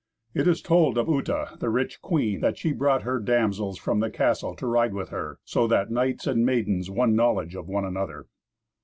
It is told of Uta, the rich queen, that she brought her damsels from the castle to ride with her, so that knights and maidens won knowledge of one another.